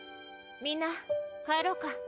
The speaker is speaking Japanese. みんな帰ろうか。